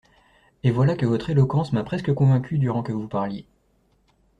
Et voilà que votre éloquence m'a presque convaincue durant que vous parliez.